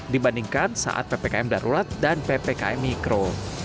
dibandingkan saat ppkm darurat dan ppkm mikro